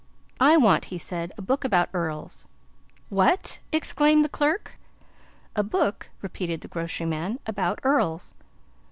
"I want," he said, "a book about earls." "What!" exclaimed the clerk. "A book," repeated the grocery man, "about earls."